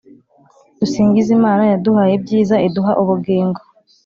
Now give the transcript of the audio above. dusingize imana, yaduhaye ibyiza, iduha ubugingo